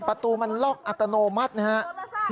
ประตูมันล็อกอัตโนมัตินะครับ